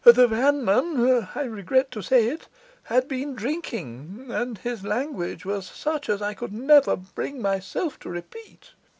'The vanman (I regret to say it) had been drinking, and his language was such as I could never bring myself to repeat.